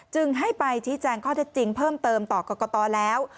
จึงให้ไปชี้แจงข้อเท็จจริงเพิ่มเติมต่อกรกตแล้ว